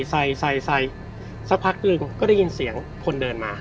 ใส่ใส่สักพักหนึ่งก็ได้ยินเสียงคนเดินมา